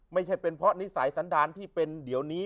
ไม่ใช่เป็นเพราะนิสัยสันดารที่เป็นเดี๋ยวนี้